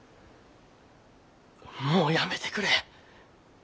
もうやめてくれ。